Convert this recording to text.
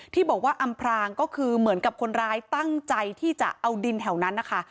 ที่บอกว่าอำพรางก็คือเหมือนกับคนร้ายตั้งใจที่จะเอาดินแถวนั้นนะคะ